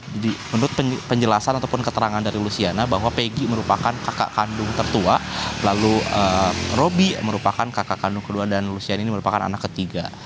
jadi menurut penjelasan ataupun keterangan dari lusiana bahwa pegi merupakan kakak kandung tertua lalu robi merupakan kakak kandung kedua dan lusiana ini merupakan anak ketiga